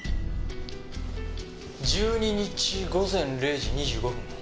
１２日午前０時２５分。